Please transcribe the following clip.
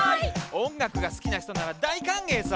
おんがくがすきなひとならだいかんげいさ！